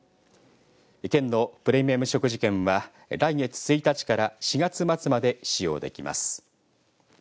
県のプレミアム食事券は来月１日から４月末まで使用できます。